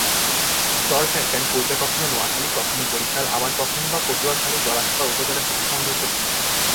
চরফ্যাশন পূর্বে কখনো নোয়াখালী কখনো বরিশাল আবার কখনো বা পটুয়াখালীর গলাচিপা উপজেলার সাথে সংযুক্ত ছিল।